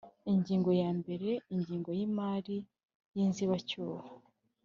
Ingingo ya mbere Ingengo y imari y inzibacyuho